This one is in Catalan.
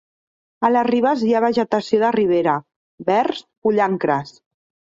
A les ribes hi ha vegetació de ribera: verns, pollancres.